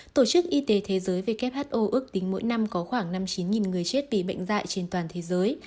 tổ chức y tế thế giới who ước tính mỗi năm có khoảng năm mươi chín người chết vì bệnh dạy trên toàn thế giới